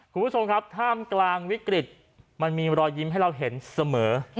คุณผู้ชมครับท่ามกลางวิกฤตมันมีรอยยิ้มให้เราเห็นเสมอ